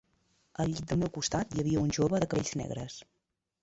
Al llit del meu costat, hi havia un jove de cabells negres